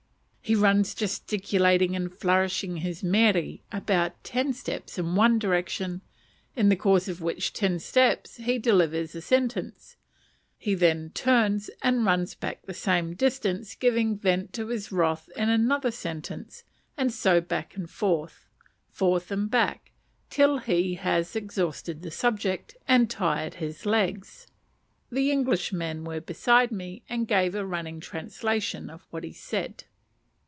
He runs gesticulating and flourishing his mere about ten steps in one direction, in the course of which ten steps he delivers a sentence; he then turns and runs back the same distance, giving vent to his wrath in another sentence, and so back and forward, forward and back, till he has exhausted the subject, and tired his legs. The Englishmen were beside me, and gave a running translation of what he said.